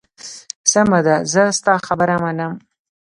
سمه ده، زه ستا خبره منم.